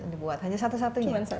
dibuat hanya satu satunya